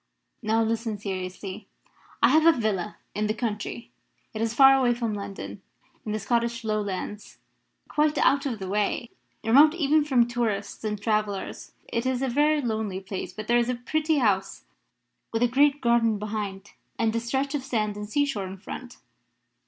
Now listen seriously. I have a villa in the country. It is far away from London, in the Scottish Lowlands quite out of the way remote even from tourists and travellers. It is a very lonely place, but there is a pretty house, with a great garden behind and a stretch of sand and seashore in front.